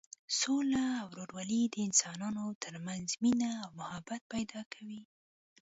سوله او ورورولي د انسانانو تر منځ مینه او محبت پیدا کوي.